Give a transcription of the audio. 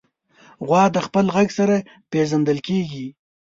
غوا د خپل غږ سره پېژندل کېږي.